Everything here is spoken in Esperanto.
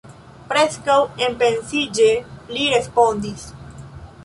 Preskaŭ enpensiĝe li respondis: